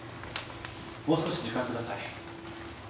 もう少し時間下さい。